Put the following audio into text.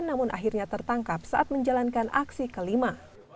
namun akhirnya tertangkap saat menjalankan aksi kelima